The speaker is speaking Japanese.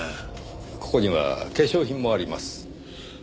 ここには化粧品もあります。